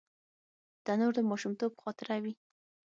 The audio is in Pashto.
تنور د ماشومتوب خاطره وي